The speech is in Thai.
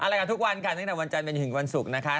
รายการทุกวันค่ะตั้งแต่วันจันทร์เป็นถึงวันศุกร์นะคะ